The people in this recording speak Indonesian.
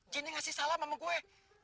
jinnya ngasih salam sama gue